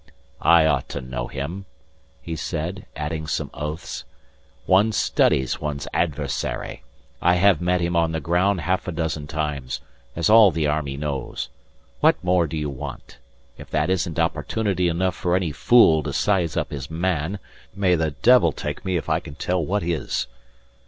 "I ought to know him," he said, adding some oaths. "One studies one's adversary. I have met him on the ground half a dozen times, as all the army knows. What more do you want? If that isn't opportunity enough for any fool to size up his man, may the devil take me if I can tell what is."